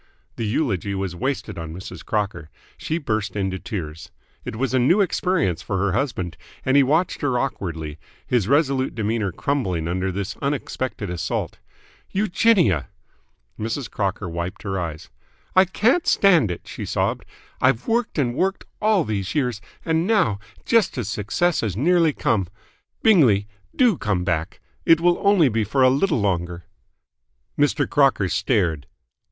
The eulogy was wasted on Mrs. Crocker. She burst into tears. It was a new experience for her husband, and he watched her awkwardly, his resolute demeanour crumbling under this unexpected assault. "Eugenia!" Mrs. Crocker wiped her eyes. "I can't stand it!" she sobbed. "I've worked and worked all these years, and now, just as success has nearly come Bingley, do come back! It will only be for a little longer." Mr. Crocker stared.